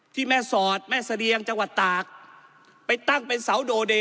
ที่แม่สอดแม่เสดียงจังหวัดตากไปตั้งเป็นเสาโดเดย